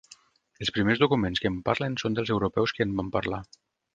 Els primers documents que en parlen són dels Europeus que en van parlar.